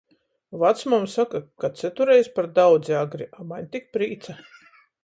Vacmama soka, ka cytureiz par daudzi agri, a maņ tik prīca!